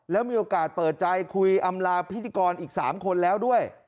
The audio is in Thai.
แล้วมีโอกาสเปิดใจคุยอำลาพิธีกรอีก๓คนแล้วด้วย